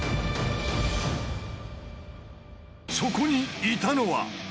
そこにいたのは！